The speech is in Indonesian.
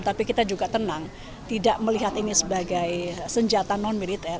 tapi kita juga tenang tidak melihat ini sebagai senjata non militer